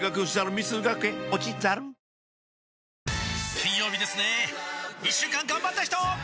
金曜日ですね一週間がんばった人！